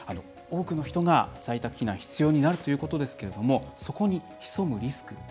多くの人が在宅避難必要になるということですがそこに潜むリスク